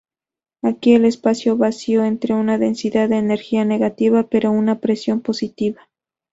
Aquí, el espacio vacío tiene una densidad de energía negativa pero una presión positiva.